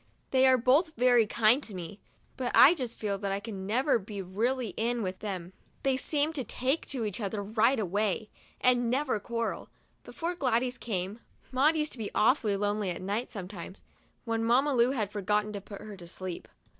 They are both very kind to me; but I just feel that I can never be really in it with them. They seemed to take to each other right away, 42 WEDNESDAY— I GET A NEW DRESS and never quarrel. Before Gladys came, Maud used to be awfully lonely at night sometimes, when Mamma Lu had forgotten to put her to sleep.